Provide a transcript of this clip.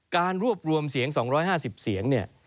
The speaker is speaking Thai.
การรวบรวมเสียง๒๕๐เสียงเนี่ย